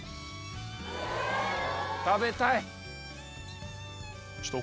食べたい！